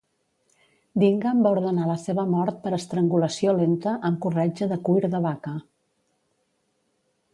Dingane va ordenar la seva mort per estrangulació lenta amb corretja de cuir de vaca.